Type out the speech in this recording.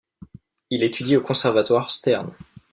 Il étudie au Conservatoire Stern.